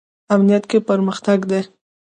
امنیت کې پرمختګ دی